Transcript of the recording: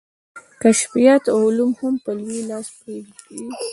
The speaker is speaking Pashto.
کشفیات او علوم هم په لوی لاس پردي بولو.